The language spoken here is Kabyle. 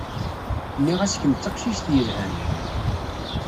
Nniɣ-as kemm d taqcict yelhan.